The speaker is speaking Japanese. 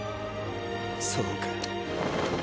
そうか。